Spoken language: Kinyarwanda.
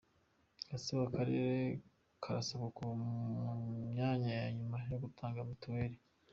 Gatsibo Akarere karasabwa kuva mu myanya ya nyuma mu gutanga mitiweli